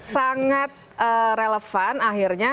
sangat relevan akhirnya